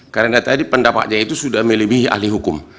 karena tadi pendapatnya itu sudah melebihi ahli hukum